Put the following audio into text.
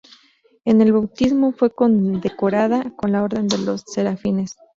En el bautismo fue condecorada con la orden de los Serafines.